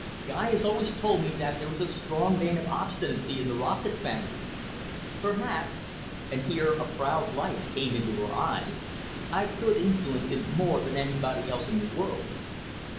"Guy has always told me that there is a strong vein of obstinacy in the Rossett family. Perhaps," and here a proud light came into her eyes "I could influence him more than anybody else in the world."